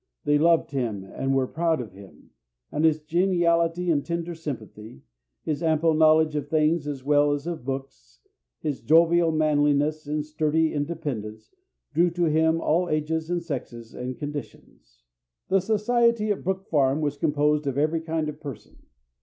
They loved him and were proud of him; and his geniality and tender sympathy, his ample knowledge of things as well as of books, his jovial manliness and sturdy independence, drew to him all ages and sexes and conditions. The society at Brook Farm was composed of every kind of person.